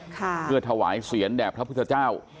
เพื่อถวายเสียรแด่พระพุทธเจ้า